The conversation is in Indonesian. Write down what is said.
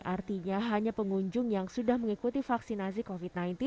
artinya hanya pengunjung yang sudah mengikuti vaksinasi covid sembilan belas